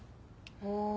ああ。